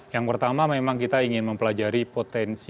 yang pertama memang kita ingin mempelajari potensi